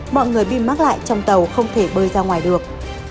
mọi người bị mắc lại trong tàu không thể bơi ra ngoài được